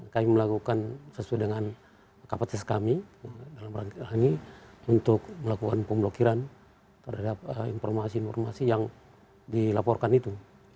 kami melakukan sesuai dengan kapasitas kami dalam rangka ini untuk melakukan pemblokiran terhadap informasi informasi yang dilaporkan itu